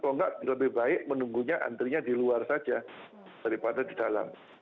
kalau nggak lebih baik menunggunya antrinya di luar saja daripada di dalam